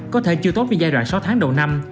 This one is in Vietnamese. có thể chưa tốt với giai đoạn sáu tháng đầu năm